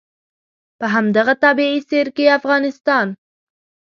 په همدغه طبعي سیر کې افغانستان.